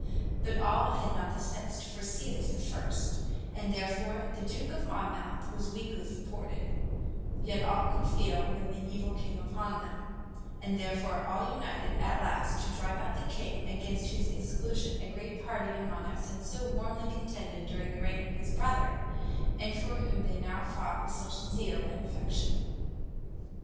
But all had not the sense to foresee this at first; and therefore the Duke of Monmouth was weakly supported; yet all could feel when the evil came upon them; and therefore all united, at last, to drive out that king, against whose exclusion a great party among us had so warmly contended during the reign of his brother, and for whom they now fought with such zeal and affection."